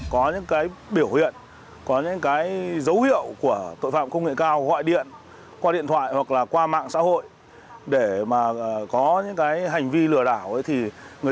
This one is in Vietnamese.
có những biểu hiện có những cái dấu hiệu của tội phạm công nghệ cao gọi điện qua điện thoại hoặc là qua mạng xã hội để mà có những hành vi lừa đảo